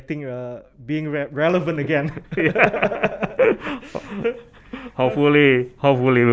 semoga menjadi pemenang seri a tahun ini